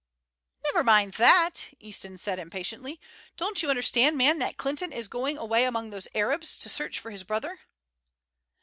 "Never mind that," Easton said impatiently; "don't you understand, man, that Clinton is going away among those Arabs to search for his brother?"